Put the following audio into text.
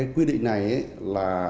quyết định này là